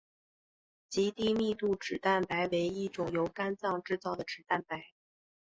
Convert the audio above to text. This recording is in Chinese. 极低密度脂蛋白为一种由肝脏制造的脂蛋白。